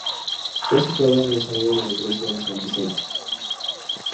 Fue situada en el sagrario de la iglesia de San Vicente.